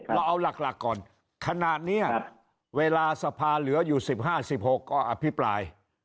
เราเอาหลักก่อนขนาดนี้เวลาสภาเหลืออยู่๑๕๑๖ก็อภิปราย